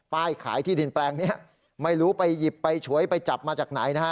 ขายที่ดินแปลงนี้ไม่รู้ไปหยิบไปฉวยไปจับมาจากไหนนะฮะ